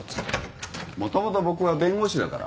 もともと僕は弁護士だから。